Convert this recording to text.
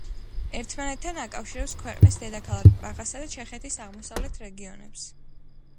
ერთმანეთთან აკავშირებს ქვეყნის დედაქალაქ პრაღასა და ჩეხეთის აღმოსავლეთ რეგიონებს.